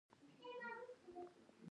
د یار شونډې د انارو په څیر دي.